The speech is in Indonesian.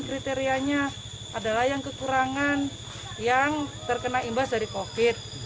kriteriannya adalah yang kekurangan yang terkena imbas dari covid sembilan belas